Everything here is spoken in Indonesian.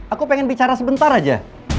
aku pengen bicara sebentar aja